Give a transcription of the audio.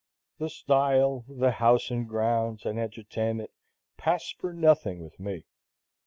The style, the house and grounds and "entertainment" pass for nothing with me.